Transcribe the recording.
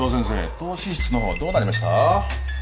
透視室の方はどうなりました？